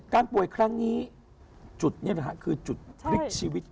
ป่วยครั้งนี้จุดนี้แหละฮะคือจุดพลิกชีวิต